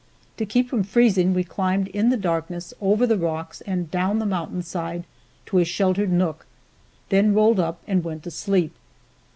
To keep from freezing we climbed in the darkness, over the rocks and down the mountain side to a sheltered nook, then rolled up and went to sleep.